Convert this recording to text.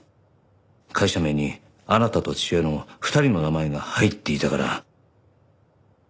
会社名にあなたと父親の２人の名前が入っていたから。